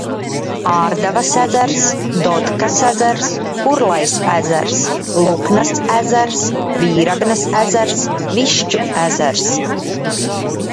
Ārdavas ezers, Dodkas ezers, Kurlais ezers, Luknas ezers, Vīragnas ezers, Višķu ezers.